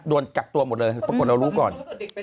โดนกลับตัวหมดเลยประกวัญเรารู้ก่อนพอเริ่มก่อน